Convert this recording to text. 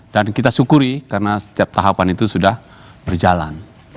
dan kita syukuri karena setiap tahapan itu sudah berjalan